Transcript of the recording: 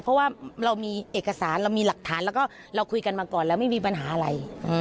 เพราะว่าเรามีเอกสารเรามีหลักฐานแล้วก็เราคุยกันมาก่อนแล้วไม่มีปัญหาอะไร